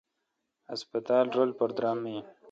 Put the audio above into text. ہسپتالرل پر درام می این۔